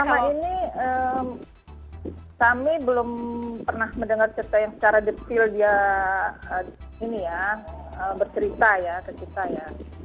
selama ini kami belum pernah mendengar cerita yang secara detail dia ini ya bercerita ya cerita ya